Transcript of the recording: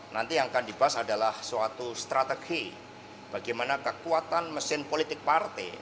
nanti yang akan dibahas adalah suatu strategi bagaimana kekuatan mesin politik partai